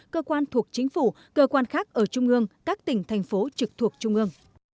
cơ quan thuộc chính phủ cơ quan khác ở trung ương các tỉnh thành phố trực thuộc trung ương